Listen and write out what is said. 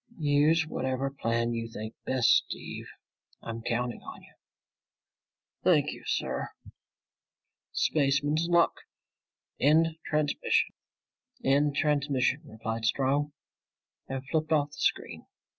"Use whatever plan you think best, Steve. I'm counting on you." "Thank you, sir." "Spaceman's luck! End transmission." "End transmission," replied Strong and flipped off the screen.